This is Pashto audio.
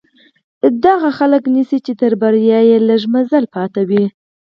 دا هغه خلک نيسي چې تر بريا يې لږ مزل پاتې وي.